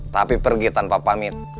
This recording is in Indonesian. tapi pergi tanpa pamit